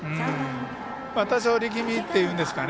多少力みっていうんですかね。